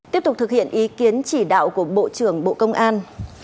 tiếp tục thực hiện ý kiến chỉ đạo của bộ trưởng bộ công an